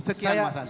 sekian mas andre